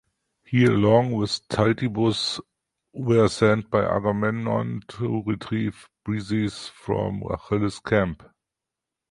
He, along with Talthybius, were sent by Agamemnon to retrieve Briseis from Achilles' camp.